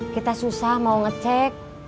kita susah mau ngecek